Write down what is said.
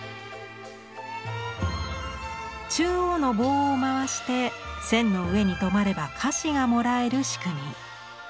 中央の棒を回して線の上に止まれば菓子がもらえる仕組み。